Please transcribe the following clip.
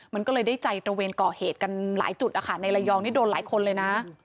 มันก็เลยได้ใจตระเวนก่อเหตุกันหลายจุดนะคะในระยองนี่โดนหลายคนเลยนะ